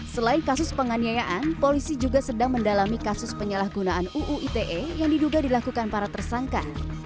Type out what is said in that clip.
selain kasus penganiayaan polisi juga sedang mendalami kasus penyalahgunaan uu ite yang diduga dilakukan para tersangka